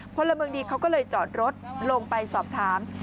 พลเมืองดีเขาก็เลยจอดรถลงไปสอบถาม